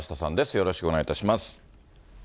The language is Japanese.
よろしくお願いします。